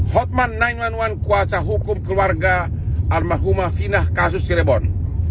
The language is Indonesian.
hotman sembilan ratus sebelas kuasa hukum keluarga armahuma finah kasus cirebon